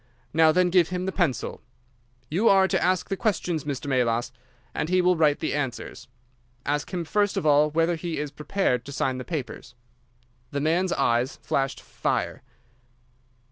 Now, then, give him the pencil. You are to ask the questions, Mr. Melas, and he will write the answers. Ask him first of all whether he is prepared to sign the papers?' "The man's eyes flashed fire.